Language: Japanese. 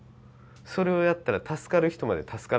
それをやったら助かる人まで助からなくなる。